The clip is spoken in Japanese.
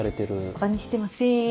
ばかにしてません。